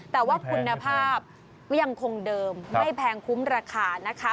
แต่ว่าคุณภาพก็ยังคงเดิมไม่แพงคุ้มราคานะคะ